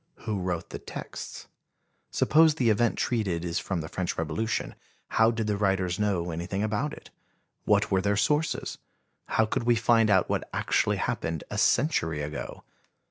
Who wrote the texts? Suppose the event treated is from the French Revolution. How did the writers know anything about it? What were their sources? How could we find out what actually happened a century ago?